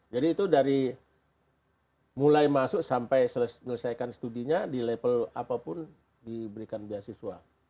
jadi itu dari mulai masuk sampai selesaikan studinya di level apapun diberikan beasiswa